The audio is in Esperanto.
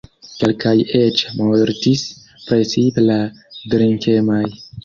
Kelkaj eĉ mortis, precipe la drinkemaj.